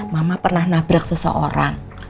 mama pernah nabrak seseorang